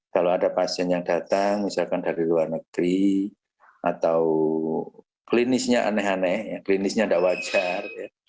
kalau ada pasien yang datang misalkan dari luar negeri atau klinisnya aneh aneh klinisnya tidak wajar